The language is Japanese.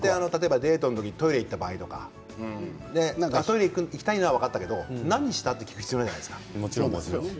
デートの時にトイレ行った場合とかトイレに行ったのは分かるけど何をしたかと聞く必要はないですよね。